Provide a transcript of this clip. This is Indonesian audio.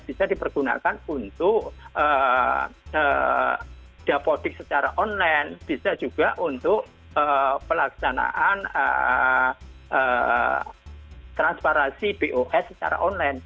bisa dipergunakan untuk dapodik secara online bisa juga untuk pelaksanaan transparansi bos secara online